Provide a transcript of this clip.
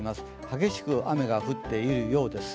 激しく雨が降っているようです。